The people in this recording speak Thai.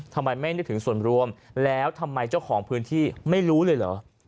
ทำไมไม่นึกถึงส่วนรวมแล้วทำไมเจ้าของพื้นที่ไม่รู้เลยเหรอ